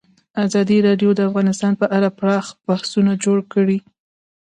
ازادي راډیو د اقتصاد په اړه پراخ بحثونه جوړ کړي.